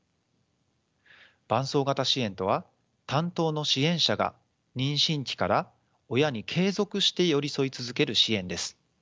伴走型支援とは担当の支援者が妊娠期から親に継続して寄り添い続ける支援です。